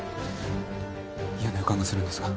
嫌な予感がするんですが。